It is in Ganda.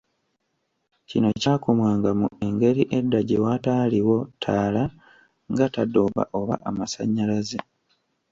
kino nga kyakumwanga mu Engeri edda gye wataaliwo ttaala nga tadooba oba amasannyalaze